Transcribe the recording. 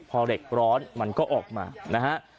พอเหล็กร้อนมันก็ออกมานะฮะ